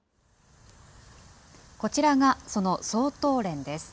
こちらが、その双頭蓮です。